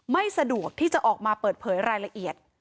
ไม่สะดวกที่จะออกมาเปิดเผยรายละเอียด